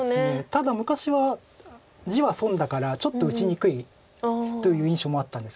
ただ昔は地は損だからちょっと打ちにくいという印象もあったんです。